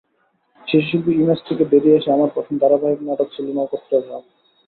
শিশুশিল্পী image থেকে বেরিয়ে এসে আমার প্রথম ধারাবাহিক নাটক ছিল নক্ষত্রের রাত।